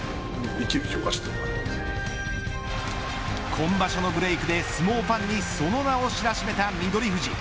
今場所のブレイクで相撲ファンにその名を知らしめた翠富士